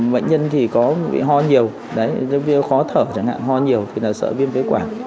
bệnh nhân thì có bị ho nhiều khó thở chẳng hạn ho nhiều thì sợ biến phế quản